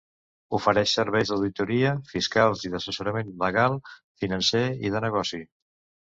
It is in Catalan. Ofereix serveis d'auditoria, fiscals i d'assessorament legal, financer i de negoci.